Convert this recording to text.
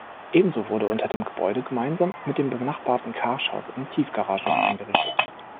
Ebenso wurde unter dem Gebäude gemeinsam mit dem benachbarten Carsch-Haus eine Tiefgarage eingerichtet.